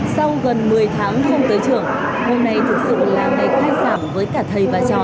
sau gần một mươi tháng không tới trường hôm nay thực sự là ngày khai sản với cả thầy và trò